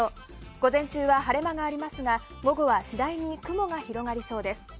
午前中は晴れ間がありますが午後は次第に雲が広がりそうです。